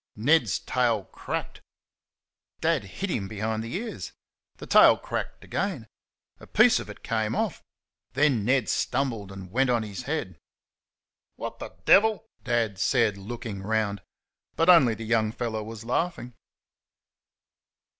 Ned's tail cracked. Dad hit him between the ears. The tail cracked again. A piece of it came off; then Ned stumbled and went on his head. "What the DEVIL !" Dad said, looking round. But only the young fellow was laughing.